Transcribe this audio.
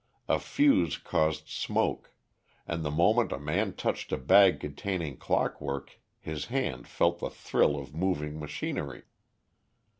A fuse caused smoke, and the moment a man touched a bag containing clockwork his hand felt the thrill of moving machinery.